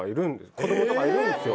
子どもとかいるんですよ